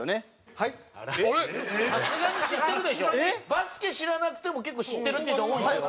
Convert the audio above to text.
バスケ知らなくても結構知ってるって人多いですよ。